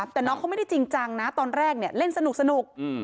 แต่น้องเขาไม่ได้จริงจังนะตอนแรกเนี่ยเล่นสนุก